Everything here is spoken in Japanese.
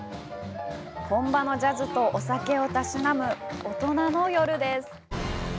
本場のジャズとお酒を嗜む、大人の夜です。